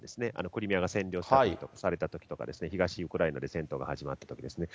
クリミアが占領されたときとか、東ウクライナで戦闘が始まったときですね。